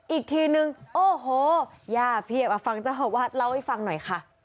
อีกทีหนึ่งโอ้โหย่าเพียกว่าฟังร้าวเฮาะวาดเล่าให้ฟังหน่อย